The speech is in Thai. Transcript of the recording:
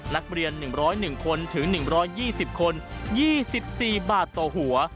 นักเรียน๑๐๑คนถึง๑๒๐คน๒๔บาทต่อหัว